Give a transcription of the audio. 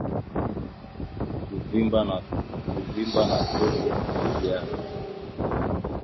Kuvimba na tumbo kujaa